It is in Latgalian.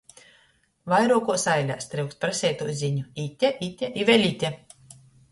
Vairuokuos ailēs tryukst praseitūs ziņu — ite, ite i vēļ ite!